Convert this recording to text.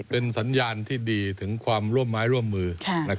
เป็นสัญญาณที่ดีถึงความร่วมไม้ร่วมมือ